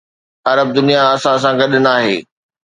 عرب دنيا اسان سان گڏ ناهي.